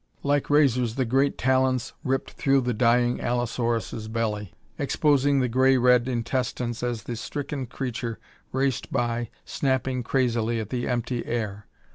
Like razors the great talons ripped through the dying allosaurus' belly, exposing the gray red intestines as the stricken creature raced by, snapping crazily at the empty air.